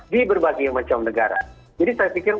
di berbagai macam negara jadi saya pikir